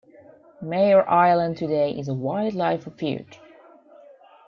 Mayor Island today is a wildlife refuge.